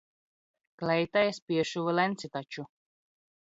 Kleitai es piešuvu lenci taču.